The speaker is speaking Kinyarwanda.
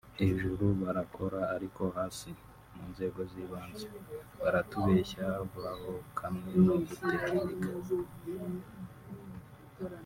Hejuru barakora ariko hasi (mu nzego z'ibanze) baratubeshya bokamwe no gutekinika